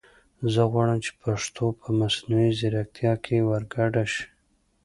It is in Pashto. زه غواړم چې پښتو په مصنوعي زیرکتیا کې ور ګډه شي